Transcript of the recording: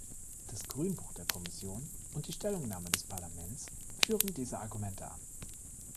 Das Grünbuch der Kommission und die Stellungnahme des Parlaments führen diese Argumente an.